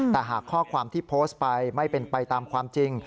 แต่หากข้อความที่โพสต์ไปไม่เป็นไปตามความจริง